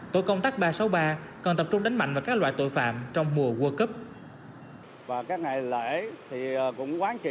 tổ công tác ba trăm sáu mươi ba còn tập trung đánh mạnh vào các loại tội phạm trong mùa world cup